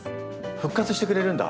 復活してくれるんだ。